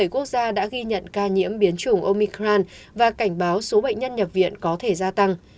bảy quốc gia đã ghi nhận ca nhiễm biến chủng omicran và cảnh báo số bệnh nhân nhập viện có thể gia tăng